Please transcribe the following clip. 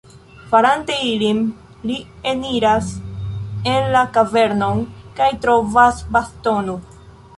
Farante ilin, li eniras en la kavernon kaj trovas bastono.